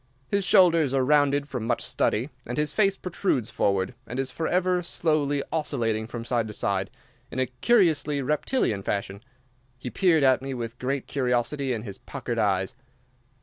His shoulders are rounded from much study, and his face protrudes forward, and is forever slowly oscillating from side to side in a curiously reptilian fashion. He peered at me with great curiosity in his puckered eyes.